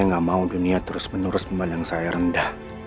dan saya gak mau dunia terus menurus memandang saya rendah